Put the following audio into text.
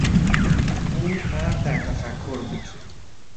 او غرق در تفکر بود.